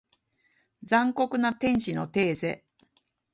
残酷な天使のテーゼ